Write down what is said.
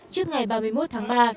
trước ngày ba mươi một tháng ba